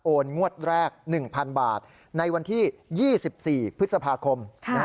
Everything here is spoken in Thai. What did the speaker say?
งวดแรก๑๐๐๐บาทในวันที่๒๔พฤษภาคม